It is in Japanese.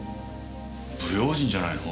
不用心じゃないの？